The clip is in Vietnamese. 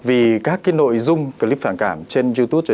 vì các cái nội dung clip phản cảm trên youtube